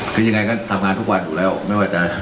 คือยังไงก็ทำงานงานแล้ว